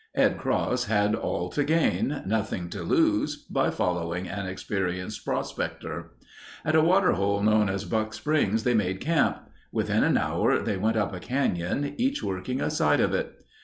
Ed Cross had all to gain; nothing to lose by following an experienced prospector. At a water hole known as Buck Springs they made camp. Within an hour they went up a canyon, each working a side of it.